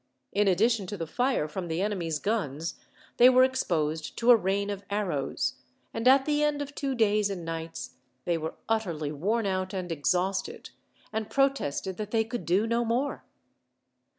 In addition to the fire from the enemy's guns, they were exposed to a rain of arrows, and at the end of two days and nights they were utterly worn out and exhausted, and protested that they could do no more.